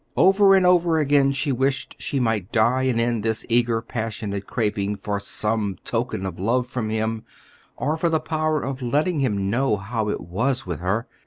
Over and over again she wished she might die and end this eager, passionate craving for some token of love from him, or for the power of letting him know how it was with her.